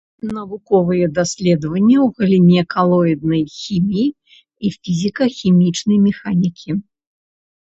Навуковыя даследаванні ў галіне калоіднай хіміі і фізіка-хімічнай механікі.